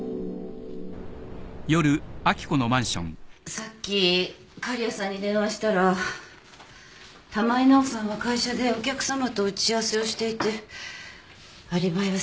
さっき狩矢さんに電話したら玉井奈緒さんは会社でお客さまと打ち合わせをしていてアリバイは成立したって。